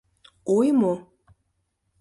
«Ой» мо?